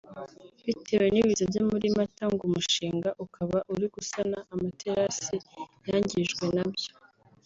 Bitewe n’ibiza byo muri Mata ngo umushinga ukaba uri gusana amaterasi yangijwe nabyo